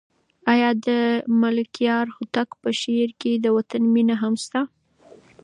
آیا د ملکیار هوتک په شعر کې د وطن مینه هم شته؟